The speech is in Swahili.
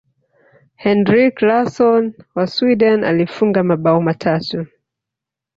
henrik larson wa sweden alifunga mabao matatu